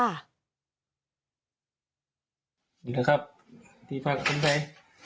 นะครับที่ฝากคุณไป